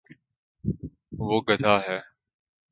وہ گد ہ ہے